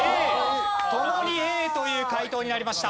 共にＡという解答になりました。